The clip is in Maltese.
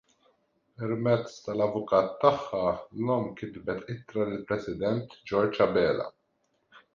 Permezz tal-avukat tagħha l-omm kitbet ittra lill-President George Abela.